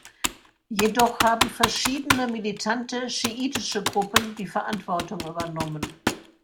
Jedoch haben verschiedene militante schiitische Gruppen die Verantwortung übernommen.